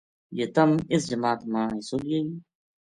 جے تم اس جماعت ما حِصو لیے گی